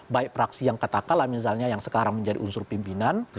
baik praksi yang katakanlah misalnya yang sekarang menjadi unsur pimpinan